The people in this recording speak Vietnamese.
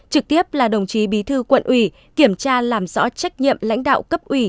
trực tiếp là đồng chí bí thư quận ủy kiểm tra làm rõ trách nhiệm lãnh đạo cấp ủy